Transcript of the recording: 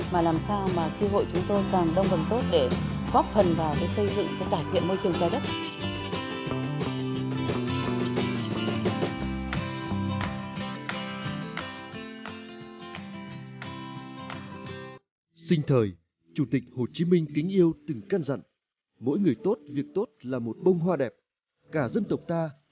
mà làm sao mà tri hội chúng tôi càng đông gần tốt